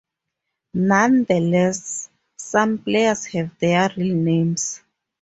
Nonetheless, some players have their real names.